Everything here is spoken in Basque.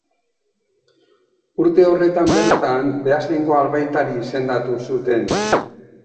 Urte horretan bertan, Beasaingo albaitari izendatu zuten.